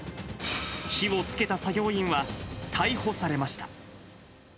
火をつけた作業員は、逮捕されました。